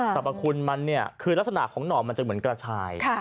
สรรพคุณมันเนี่ยคือลักษณะของหน่อมันจะเหมือนกระชาย